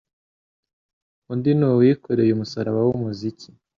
undi ni uwikoreye umusaraba w'Umukiza,